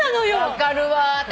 分かるわ。